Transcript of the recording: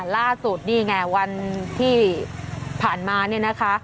ล่าสุดนี่ไงวันที่ผ่านมาเนี่ยนะคะ